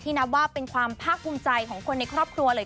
นับว่าเป็นความภาคภูมิใจของคนในครอบครัวเลย